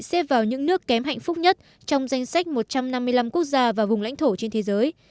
xếp vào những nước kém hạnh phúc nhất trong danh sách một trăm năm mươi năm quốc gia và vùng lãnh thổ trên thế giới